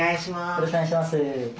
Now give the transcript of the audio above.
よろしくお願いします。